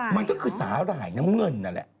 สาหร่ายเหรอมันก็คือสาหร่ายน้ำเงินนั่นแหละ